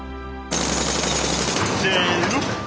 せの！